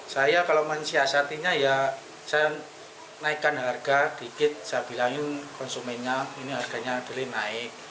saya kalau mensiasatinya ya saya naikkan harga dikit saya bilangin konsumennya ini harganya deli naik